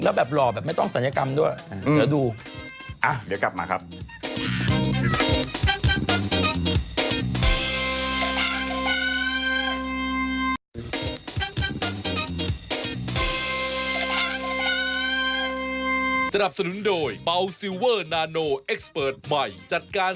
แบบหล่อแบบไม่ต้องศัลยกรรมด้วยเดี๋ยวดูเดี๋ยวกลับมาครับ